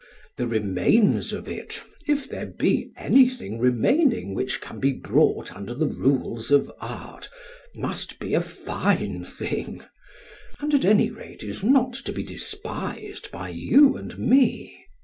The remains of it, if there be anything remaining which can be brought under rules of art, must be a fine thing; and, at any rate, is not to be despised by you and me.